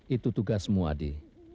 itu tugasmu adi